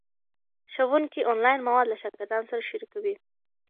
ښوونکي آنلاین مواد له شاګردانو سره شریکوي.